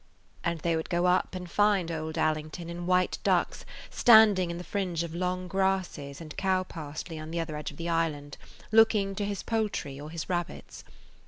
And they would go up and find old Allington, in white ducks, standing in the fringe of long grasses and [Page 68] cow parsley on the other edge of the island, looking to his poultry or his rabbits.